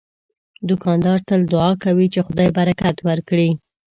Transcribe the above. دوکاندار تل دعا کوي چې خدای برکت ورکړي.